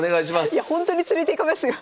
いやほんとに連れていかれますよ